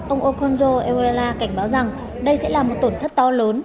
ông okonjo august cảnh báo rằng đây sẽ là một tổn thất to lớn